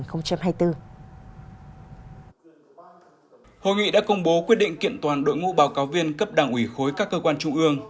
hội nghị đã công bố quyết định kiện toàn đội ngũ báo cáo viên cấp đảng ủy khối các cơ quan trung ương